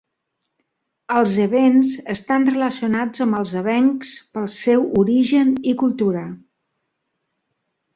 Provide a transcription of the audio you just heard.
Els Evens estan relacionats amb els Evenks pel seu origen i cultura.